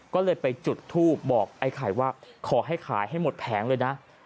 ก็เลยไปจุดทูบบอกไอ้ไข่ว่าขอให้ขายให้หมดแผงเลยนะ